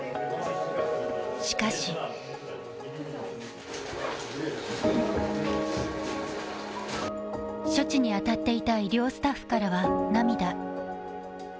しかし処置に当たっていた医療スタッフからは涙。